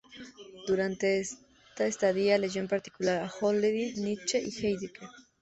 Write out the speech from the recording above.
Durante esta estadía, leyó en particular a Hölderlin, Nietzsche y Heidegger.